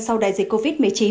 sau đại dịch covid một mươi chín